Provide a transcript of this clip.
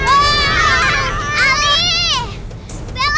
abdel cepetan kasih tahu ayah aku